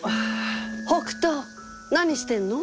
北斗何してんの？